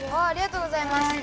ありがとうございます。